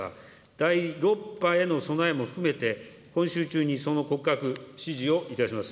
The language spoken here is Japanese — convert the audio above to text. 第６波への備えも含めて、今週中にその骨格、指示をいたします。